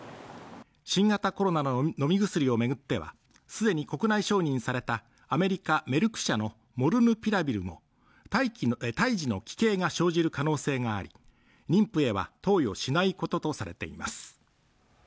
新型コロナの飲み薬をめぐってはすでに国内承認されたアメリカ・メルク社のモルヌピラビルも胎児の奇形が生じる可能性があり妊婦へは投与しないこととされています